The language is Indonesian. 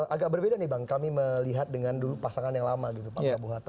agak berbeda nih bang kami melihat dengan dulu pasangan yang lama gitu pak prabowo hatta